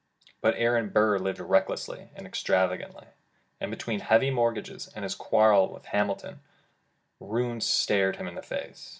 But Aaron Burr lived recklessly and extravagantly, and between heavy mortgages, and his quarrel with Hamilton, ruin stared him in the face.